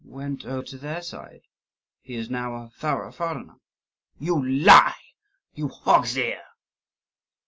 "Went over to their side; he is now a thorough foreigner." "You lie, you hog's ear!"